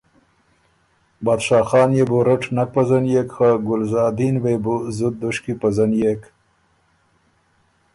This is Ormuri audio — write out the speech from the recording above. بادشاه خان يې بو رټ نک پزنيېک خه ګلزادین وې بُو زُت دُشکی پزنيېک،